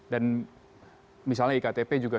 dan misalnya iktp juga